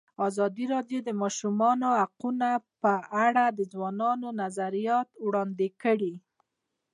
ازادي راډیو د د ماشومانو حقونه په اړه د ځوانانو نظریات وړاندې کړي.